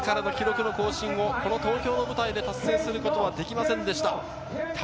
自らの記録の更新をこの東京の舞台で達成することはできませんでした。